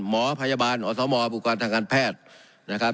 หมอพยาบาลอสมบุคลากรทางการแพทย์นะครับ